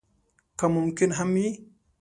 که ممکن هم وي.